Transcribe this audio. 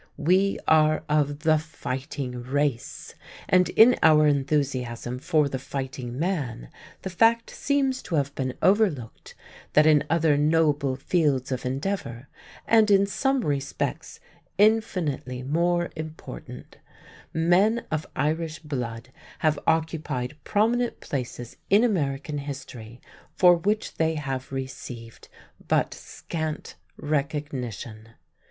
We are of "the fighting race", and in our enthusiasm for the fighting man the fact seems to have been overlooked that in other noble fields of endeavor, and in some respects infinitely more important, men of Irish blood have occupied prominent places in American history, for which they have received but scant recognition.